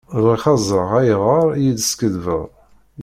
Bɣiɣ ad ẓreɣ ayɣer i iyi-d-teskaddbeḍ.